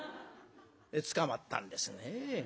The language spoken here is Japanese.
捕まったんですね。